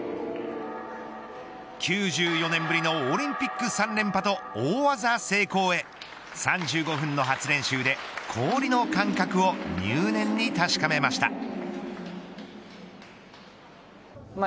９４年ぶりのオリンピック３連覇と大技成功へ３５分の初練習で氷の感覚を入念に確かめました。